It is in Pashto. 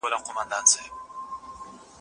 باوري سرچینې د لوستونکو باور په څېړنه زیاتوي.